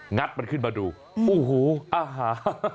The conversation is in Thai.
ัดมันขึ้นมาดูโอ้โหอาหาร